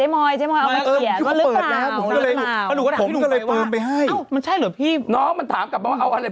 โมยเพิ่มไปให้มันใช่หรือพี่น้องมันถามถามว่าอะไรวะ